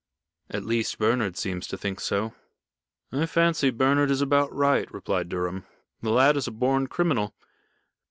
"At least, Bernard seems to think so." "I fancy Bernard is about right," replied Durham. "The lad is a born criminal.